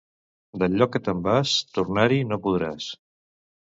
Del lloc que te'n vas, tornar-hi no podràs.